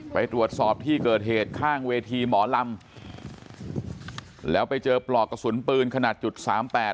ไปตรวจสอบที่เกิดเหตุข้างเวทีหมอลำแล้วไปเจอปลอกกระสุนปืนขนาดจุดสามแปด